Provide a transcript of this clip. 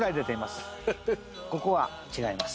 ここは違います。